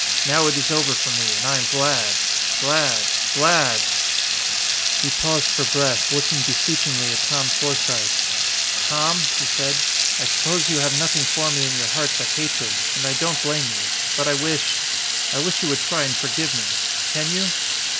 Now it is over for me and I am glad glad glad!" He paused for breath, looking beseechingly at Tom Forsythe. "Tom," he said, "I suppose you have nothing for me in your heart but hatred. And I don't blame you. But I wish I wish you would try and forgive me. Can you?"